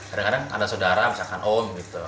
kadang kadang ada saudara misalkan om gitu